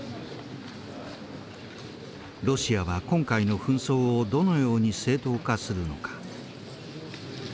ロシアは今回の紛争をどのように正当化するのか。